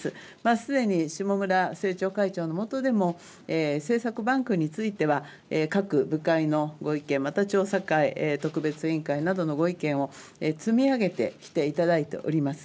すでに下村政調会長のもとでも政策バンクについては各部会のご意見、また調査会特別委員会などのご意見を積み上げてきていただいております。